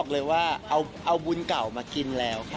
ก็รอติดตามกันนะครับ